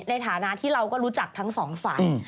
ในฐานะที่เราก็รู้จักทั้งสองฝ่าย